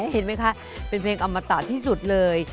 เห็นไหมคะเป็นเพลงอมตะที่สุดเลย